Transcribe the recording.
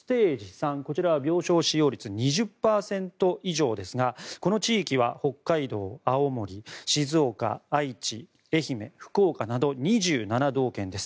３こちらは病床使用率２０％以上ですがこの地域は北海道、青森、静岡、愛知愛媛、福岡など２７道県です。